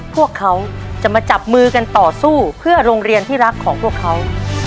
พวกเขาจะมาจับมือกันต่อสู้เพื่อโรงเรียนที่รักของพวกเขา